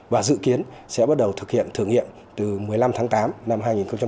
và dự kiến sẽ bắt đầu thực hiện thử nghiệm từ một mươi năm tháng tám năm hai nghìn hai mươi